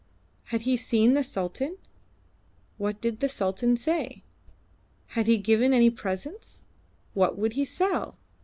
Had he seen the Sultan? What did the Sultan say? Had he given any presents? What would he sell?